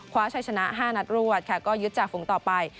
คว้าชัยชนะ๕นัดรวดค่ะก็ยึดจากฝูงต่อไป